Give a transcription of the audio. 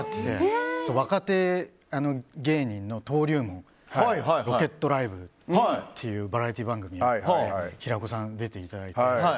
若手芸人の登竜門の「ロケットライブ」っていうバラエティー番組に平子さんに出ていただいて。